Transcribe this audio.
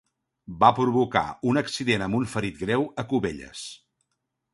Va provocar un accident amb un ferit greu a Cubelles.